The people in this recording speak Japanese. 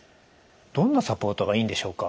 どんなサポートがいいんでしょうか？